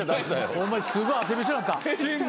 お前すごい汗びしょになった。